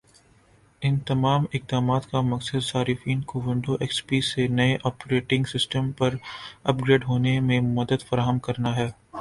ان تمام اقدامات کا مقصد صارفین کو ونڈوز ایکس پی سے نئے آپریٹنگ سسٹم پر اپ گریڈ ہونے میں مدد فراہم کرنا ہے